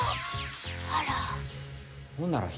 あら。